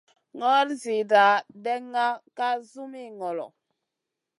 Nor zina ɗènŋa ka zumi ŋolo.